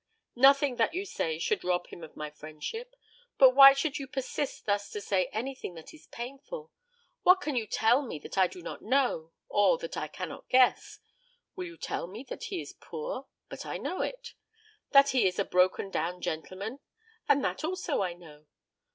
"Nothing that you say shall rob him of my friendship. But why should you persist thus to say anything that is painful? What can you tell me that I do not know, or that I cannot guess? Will you tell me that he is poor? But I know it. That he is a broken down gentleman? And that also I know.